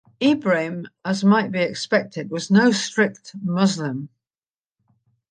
Ibrahim, as might be expected, was no strict Muslim.